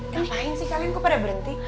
ngapain sih kalian kok pada berhenti